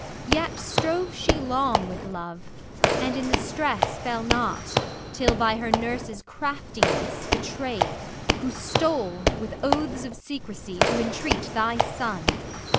Yet strove she long with love, and in the stress Fell not, till by her Nurse's craftiness Betrayed, who stole, with oaths of secrecy, To entreat thy son.